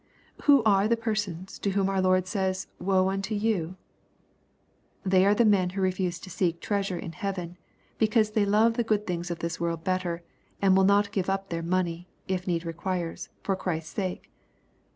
Who are the persons to whom our Lord says, " Woe unto you ?" They are the men who refuse to seek treasure in heaven, because they love the good things of this world better, and will not give up their money, if need requires, for Christ's sake.